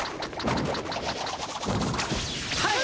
はい！